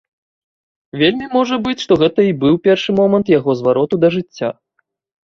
Вельмі можа быць, што гэта і быў першы момант яго звароту да жыцця.